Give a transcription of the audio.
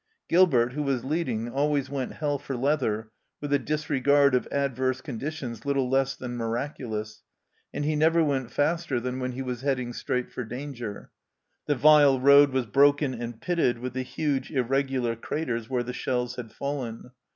Gilbert, who was leading, always went " hell for leather," with a disregard of adverse conditions little less than miraculous, and he never went faster than when he was heading straight for danger. The vile road was broken and pitted with the huge, irregular craters where the shells had fallen.